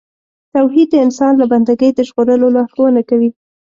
توحید د انسان له بندګۍ د ژغورلو لارښوونه کوي.